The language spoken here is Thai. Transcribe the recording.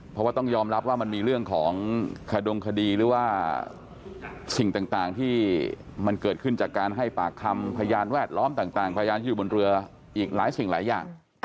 เพราะว่าต้องยอมรับว่ามันมีเรื่องของขดงคดีหรือว่าสิ่งต่างที่มันเกิดขึ้นจากการให้ปากคำพยานแวดล้อมต่างพยานที่อยู่บนเรืออีกหลายสิ่งหลายอย่าง